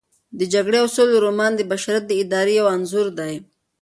د جګړې او سولې رومان د بشریت د ارادې یو انځور دی.